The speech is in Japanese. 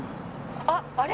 あっあれ？